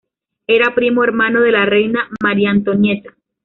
Era primo hermano de la reina María Antonieta.